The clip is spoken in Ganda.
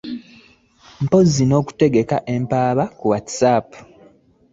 Mpozzi n'okuteeka empaaba ku Whatsapp